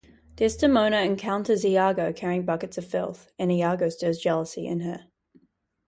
Desdemona encounters Iago carrying buckets of filth, and Iago stirs jealousy in her.